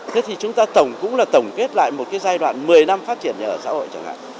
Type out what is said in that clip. thế thì chúng ta tổng cũng là tổng kết lại một cái giai đoạn một mươi năm phát triển nhà ở xã hội chẳng hạn